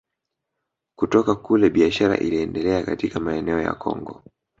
Kutoka kule biashara iliendelea katika maeneo ya Kongo